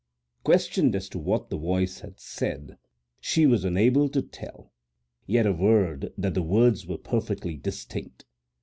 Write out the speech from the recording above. Questioned as to what the voice had said, she was unable to tell, yet averred that the words were perfectly distinct.